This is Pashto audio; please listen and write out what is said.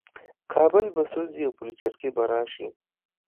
کابل به سوځي او پلچرخي به راشي.